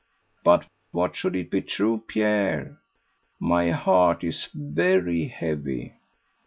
"But what should it be true, Pierre? My heart is very heavy."